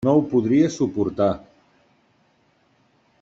No ho podria suportar.